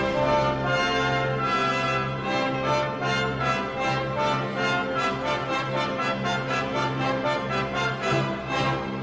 โปรดติดตามตอนต่อไป